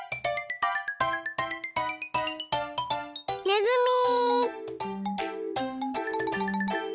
ねずみ。